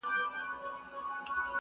هره پوله به نن وه، سبا به نه وه؛